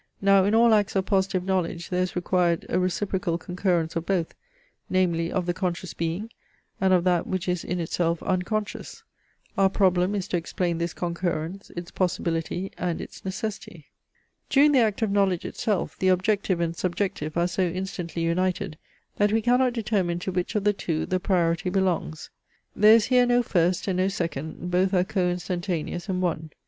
Now in all acts of positive knowledge there is required a reciprocal concurrence of both, namely of the conscious being, and of that which is in itself unconscious. Our problem is to explain this concurrence, its possibility and its necessity. During the act of knowledge itself, the objective and subjective are so instantly united, that we cannot determine to which of the two the priority belongs. There is here no first, and no second; both are coinstantaneous and one.